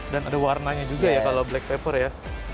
dan ada warnanya juga ya kalau black pepper ya